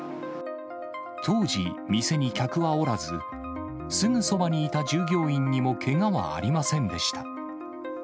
当時、店に客はおらず、すぐそばにいた従業員にもけがはありませんでした。